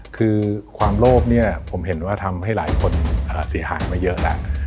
คือความโลภเนี่ยผมเห็นว่าทำให้หลายคนเสียหายมาเยอะแล้ว